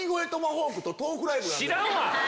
知らんわ！